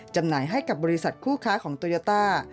จำหน่ายให้กับบริษัทคู่ค้าของโตโยต้า